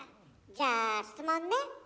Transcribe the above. じゃあ質問ね。